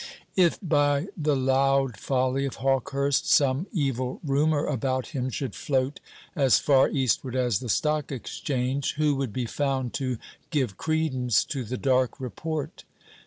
If, by the loud folly of Hawkehurst, some evil rumour about him should float as far eastward as the Stock Exchange, who would be found to give credence to the dark report?